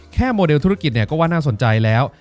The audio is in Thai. โมเดลธุรกิจเนี่ยก็ว่าน่าสนใจแล้ว